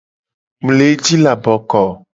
Mu le ji laboko.